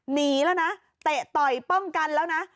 หนีแล้วนะเตะต่อยป้องกันแล้วนะ